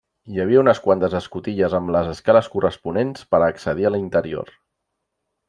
Hi havia unes quantes escotilles amb les escales corresponents per a accedir a l'interior.